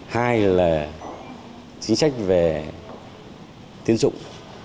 hai là chính sách về tín dụng